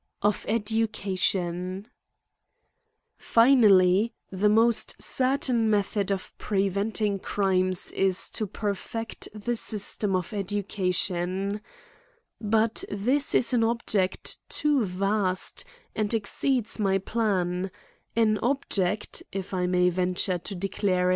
Of Education, i FINALLY, the most certain method of pre venting crimes is, to perfect the system of educa _ j ion. But this is an object too vast, and exceeds my plan ; an object, if I may venture to declare CRIMES AND PUNISHMENTS.